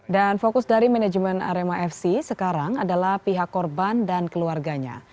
fokus dari manajemen arema fc sekarang adalah pihak korban dan keluarganya